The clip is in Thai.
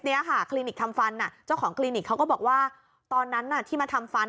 เนี้ยค่ะคลินิกทำฟันเจ้าของคลินิกเขาก็บอกว่าตอนนั้นน่ะที่มาทำฟัน